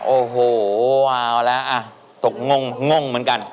โอ้โหวาวแล้วอ่ะตกงงเหมือนกัน